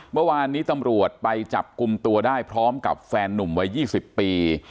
เมื่อวานนี้ตำรวจไปจับกลุ่มตัวได้พร้อมกับแฟนนุ่มวัย๒๐ปี